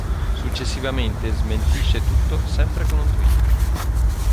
Successivamente smentisce tutto sempre con un tweet.